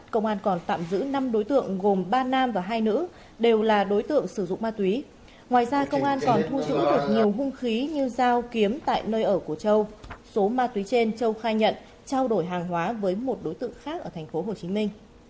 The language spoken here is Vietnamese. các bạn hãy đăng ký kênh để ủng hộ kênh của chúng mình nhé